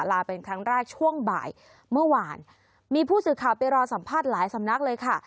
ลาเป็นครั้งแรกช่วงบ่ายเมื่อวานมีผู้สื่อข่าวไปรอสัมภาษณ์หลายสำนักเลยค่ะ